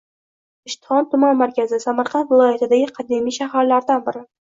Ishtixon - Tuman markazi, Samarqand viloyatidagi kadimiy shaharlardan biri.